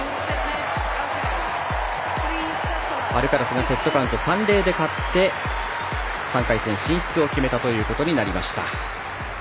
アルカラスのセットカウント３ー０で勝って３回戦進出を決めたということになりました。